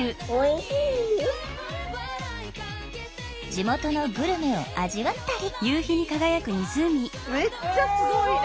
地元のグルメを味わったり。